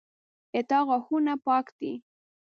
د تا غاښونه پاک دي